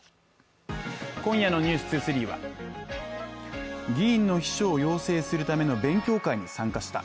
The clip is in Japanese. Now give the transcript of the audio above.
今夜の「ｎｅｗｓ２３」は議員の秘書を養成するための勉強会に参加した